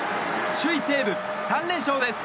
首位、西武３連勝です！